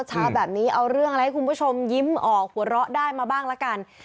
เช้าแบบนี้เอาเรื่องอะไรให้คุณผู้ชมยิ้มออกหัวเราะได้มาบ้างละกัน